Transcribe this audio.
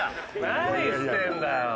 何してるんだよ！